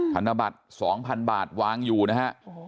ธนบัตรสองพันบาทวางอยู่นะฮะโอ้โห